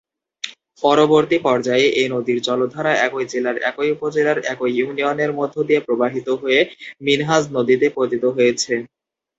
পরবর্তী পর্যায়ে এ নদীর জলধারা একই জেলার একই উপজেলার একই ইউনিয়নের মধ্য দিয়ে প্রবাহিত হয়ে মিনহাজ নদীতে পতিত হয়েছে।